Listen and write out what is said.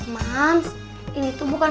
mams ini tuh bukan